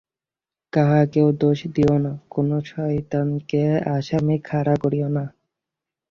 কাহাকেও দোষ দিও না, কোন শয়তানকে আসামী খাড়া করিও না।